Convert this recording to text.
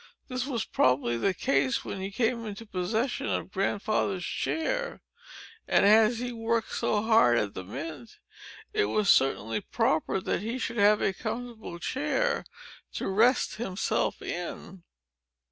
This was probably the case when he came into possession of Grandfather's chair; and, as he had worked so hard at the mint, it was certainly proper that he should have a comfortable chair to rest himself in.